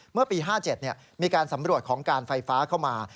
เมื่อปี๕๗มีการสำรวจของการไฟฟ้าเข้ามา